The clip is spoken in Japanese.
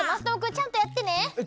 ちゃんとやってるよ。